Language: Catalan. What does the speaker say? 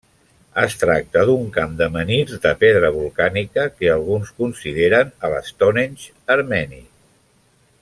Es tracta d'un camp de menhirs de pedra volcànica que alguns consideren el Stonehenge armeni.